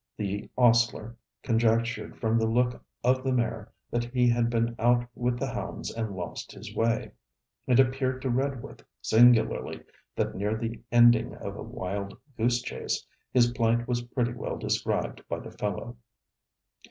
The ostler conjectured from the look of the mare that he had been out with the hounds and lost his way. It appeared to Redworth singularly, that near the ending of a wild goose chase, his plight was pretty well described by the fellow.